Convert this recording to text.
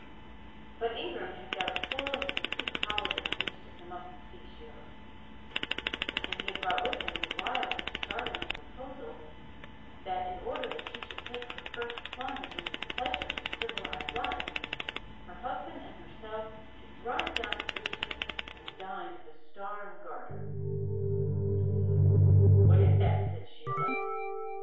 But Ingram had got a full and complete holiday on which to come up and see Sheila; and he had brought with him the wild and startling proposal that in order that she should take her first plunge into the pleasures of civilized life, her husband and herself should drive down to Richmond and dine at the Star and Garter. "What is that?" said Sheila.